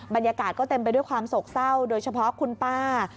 บรรยากาศก็เต็มไปด้วยความโศกเศร้าโดยเฉพาะคุณป้า